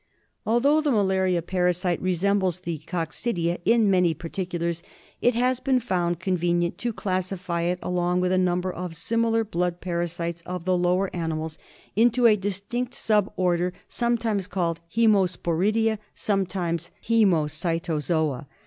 Although the malaria parasite resembles the coc cidia in many particulars, it has been found con venient to classify it along with a number of similar blood parasites of the lower animals into a distinct G 2 lOO MALARIA. sub order, sometimes called Hcemosporidia, sometimes Hcemocytozoa.